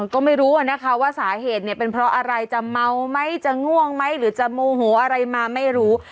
ก็ไม่รู้นะคะว่าสาเหตุเนี่ยเป็นเพราะอะไรจะเมาไหมจะง่วงไหมหรือจะโมโหอะไรมาไม่รู้